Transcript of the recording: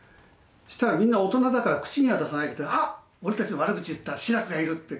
したらみんな大人だから、口には出さないけど、あっ、俺たちの悪口を言った志らくがいるって。